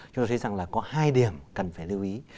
chúng ta thấy rằng có hai điểm cần phải lưu ý